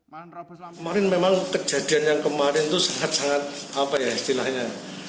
kemarin memang kejadian yang kemarin itu sangat sangat apa ya istilahnya